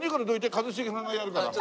一茂さんがやるから。